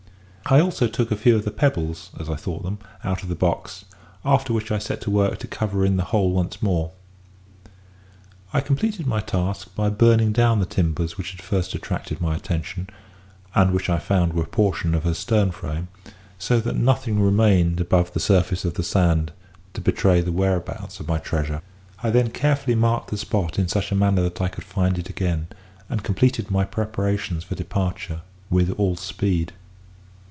I also took a few of the pebbles (as I thought them) out of the box; after which I set to work to cover in the whole once more. I completed my task by burning down the timbers which had at first attracted my attention (and which I found were a portion of her stern frame), so that nothing remained above the surface of the sand to betray the whereabouts of my treasure. I then carefully marked the spot in such a manner that I could find it again; and completed my preparations for departure with all speed.